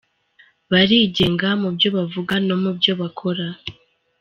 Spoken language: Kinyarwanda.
Barigenga mu byo bavuga no mu byo bakora.